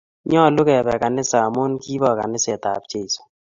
nyalun kebe kanisa amun kibo kaniset ab cheso